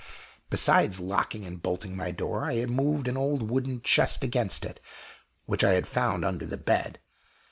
Besides locking and bolting my door, I had moved an old wooden chest against it, which I had found under the bed.